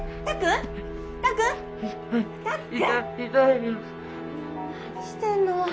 もう何してんの！